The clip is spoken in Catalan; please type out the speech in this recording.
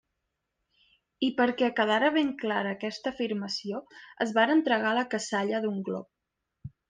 I perquè quedara ben clara aquesta afirmació, es varen tragar la cassalla d'un glop.